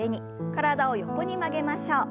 体を横に曲げましょう。